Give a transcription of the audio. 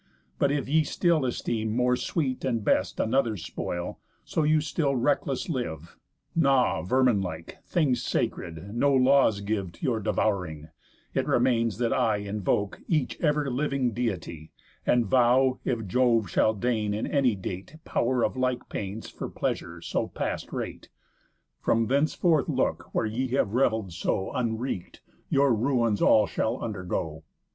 But if ye still esteem more sweet and best Another's spoil, so you still wreakless live, Gnaw, vermin like, things sacred, no laws give To your devouring; it remains that I Invoke each Ever living Deity, And vow, if Jove shall deign in any date Pow'r of like pains for pleasure so past rate, From thenceforth look, where ye have revell'd so Unwreak'd, your ruins all shall undergo."